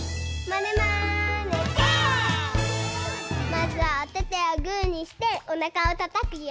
まずはおててをグーにしておなかをたたくよ。